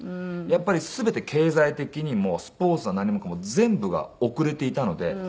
やっぱり全て経済的にもスポーツや何もかも全部が遅れていたので。